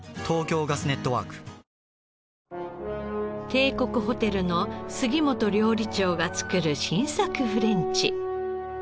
帝国ホテルの杉本料理長が作る新作フレンチ。